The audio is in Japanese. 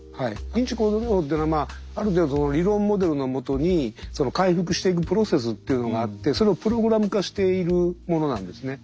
認知行動療法というのはある程度理論モデルのもとに回復していくプロセスっていうのがあってそれをプログラム化しているものなんですね。